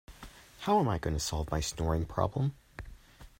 How am I going to solve my snoring problem?